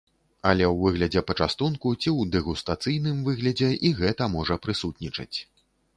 Але ў выглядзе пачастунку ці ў дэгустацыйным выглядзе і гэта можа прысутнічаць.